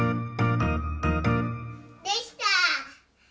できた！